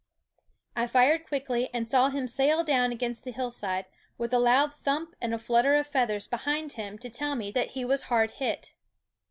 I fired quickly, and saw him sail down against the hillside, with a loud thump and a flutter of feathers behind him to tell me that he was hard hit.